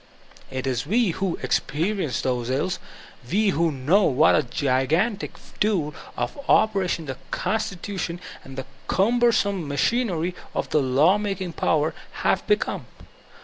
It is we who experi ence those iUs, we who know what a gigantic tool of op pression the constitution and the cumbersome machinery of the lawmaking power have become.